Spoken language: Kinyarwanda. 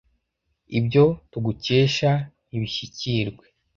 ibyo tugukeshe ntibishyikirwe,